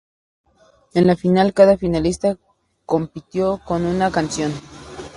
En la final, cada finalista compitió con una canción.